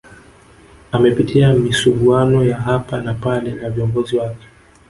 Amepitia misuguano ya hapa na pale na viongozi wake